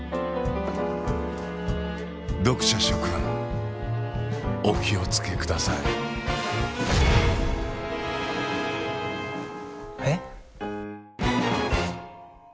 読者諸君お気を付けくださいえっ？